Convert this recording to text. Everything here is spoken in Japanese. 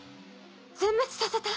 「全滅させた」？